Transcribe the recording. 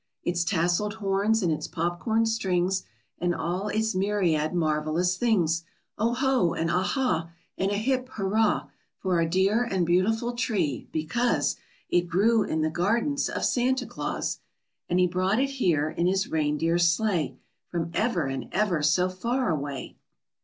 Its tasseled horns and its pop corn strings And all its myriad marvelous things! O ho! and ah ha! And a hip hurrah! For our dear and beautiful tree, because It grew in the gardens of Santa Claus And he brought it here in his reindeer sleigh From ever and ever so far away!